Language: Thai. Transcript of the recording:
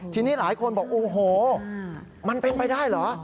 ทีนี้หลายคนบอกโอ้โหมันเป็นไปได้เหรอ